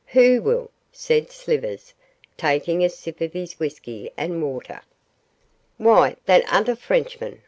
'Who wills?' said Slivers, taking a sip of his whisky and water. 'Why, that other Frenchman!